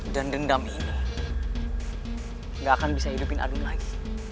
dan dendam ini gak akan bisa hidupin adun lagi